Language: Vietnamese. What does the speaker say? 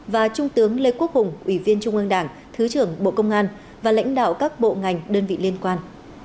và trung tướng lê quốc hùng ủy viên trung ương đảng thứ trưởng bộ công an và lãnh đạo các bộ ngành đơn vị liên quan